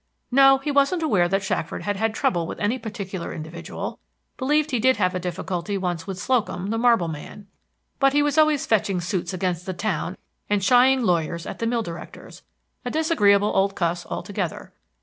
No, he wasn't aware that Shackford had had trouble with any particular individual; believed he did have a difficulty once with Slocum, the marble man; but he was always fetching suits against the town and shying lawyers at the mill directors, a disagreeable old cuss altogether.